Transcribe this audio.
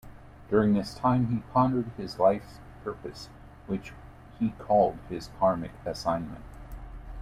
During this time, he pondered his life's purpose, which he called his karmic assignment.